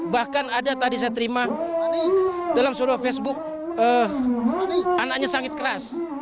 bahkan ada tadi saya terima dalam sebuah facebook anaknya sangat keras